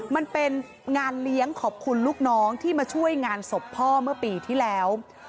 มันเป็นงานเลี้ยงขอบคุณลูกน้องที่มาช่วยงานศพพ่อเมื่อปีที่แล้ว